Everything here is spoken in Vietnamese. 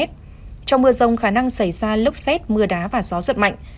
trong mưa rông khả năng xảy ra lốc xét mưa đá và gió giật mạnh